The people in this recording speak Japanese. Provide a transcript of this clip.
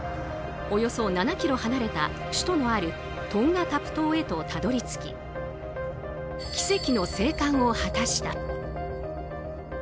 およそ７ｋｍ離れた首都のあるトンガタプ島へとたどり着き奇跡の生還を果たした。